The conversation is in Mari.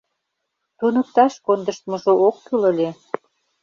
Туныкташ кондыштмыжо ок кӱл ыле...